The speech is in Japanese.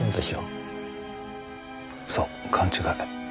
そう勘違い。